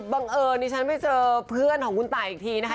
เอิญดิฉันไปเจอเพื่อนของคุณตายอีกทีนะคะ